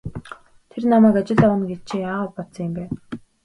Тэр намайг ажилд авна гэж чи яагаад бодсон юм бэ?